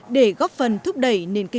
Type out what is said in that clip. để góp phần thức dụng